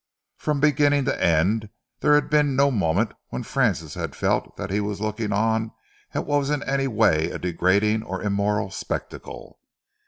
From beginning to end, there had been no moment when Francis had felt that he was looking on at what was in any way a degrading or immoral spectacle.